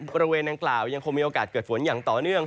บริเวณดังกล่าวยังคงมีโอกาสเกิดฝนอย่างต่อเนื่อง